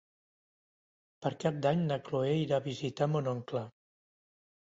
Per Cap d'Any na Chloé irà a visitar mon oncle.